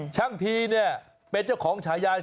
ทีเนี่ยเป็นเจ้าของฉายา